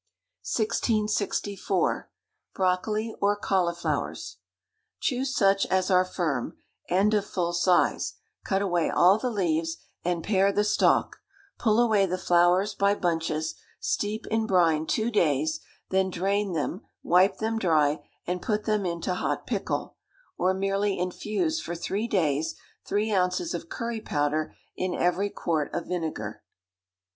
1664. Brocoli or Cauliflowers. Choose such as are firm, and of full size; cut away all the leaves, and pare the stalk; pull away the flowers by bunches, steep in brine two days, then drain them, wipe them dry, and put them into hot pickle; or merely infuse for three days three ounces of curry powder in every quart of vinegar.